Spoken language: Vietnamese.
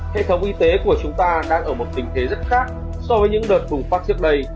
hệ thống y tế của chúng ta đang ở một tình thế rất khác so với những đợt bùng phát trước đây